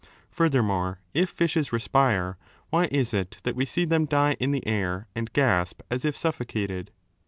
Furthermore, if fishes respire, why is it that 'e see them die in the air and gasp as if suffocated